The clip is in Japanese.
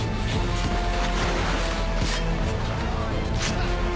あっ！